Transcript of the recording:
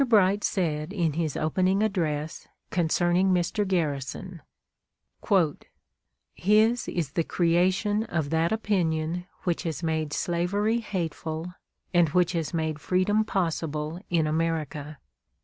Bright said in his opening address, concerning Mr. Garrison: "His is the creation of that opinion which has made slavery hateful, and which has made freedom possible in America.